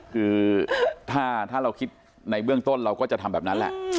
คือถ้าเราคิดในเบื้องต้นเราก็จะทำแบบนั้นแหละ